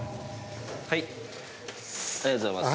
ありがとうございます。